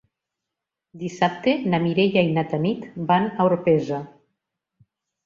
Dissabte na Mireia i na Tanit van a Orpesa.